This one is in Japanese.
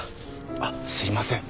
あっすいません。